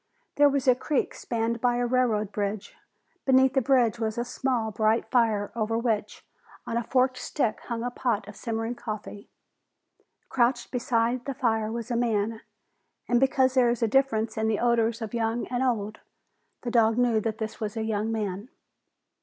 There was a creek spanned by a railroad bridge. Beneath the bridge was a small, bright fire over which, on a forked stick, hung a pot of simmering coffee. Crouched beside the fire was a man, and because there is a difference in the odors of young and old, the dog knew that this was a young man.